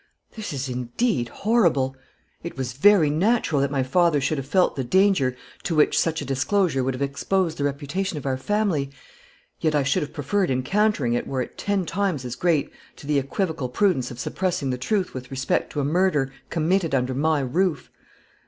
This is, indeed, horrible; it was very natural that my father should have felt the danger to which such a disclosure would have exposed the reputation of our family, yet I should have preferred encountering it, were it ten times as great, to the equivocal prudence of suppressing the truth with respect to a murder committed under my own roof."